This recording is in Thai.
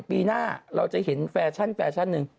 ปีหน้าเราจะเห็นแฟชั่นแฟชั่นหนึ่ง